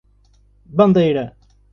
Bandeira